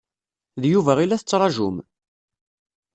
D Yuba i la tettṛaǧum?